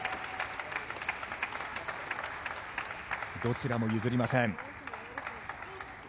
どちらも譲りません。